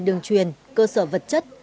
đường truyền cơ sở vật chất